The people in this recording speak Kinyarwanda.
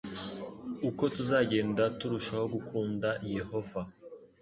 uko tuzagenda turushaho gukunda yehova